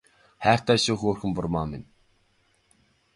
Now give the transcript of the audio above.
Хайртай шүү хөөрхөн бурмаа минь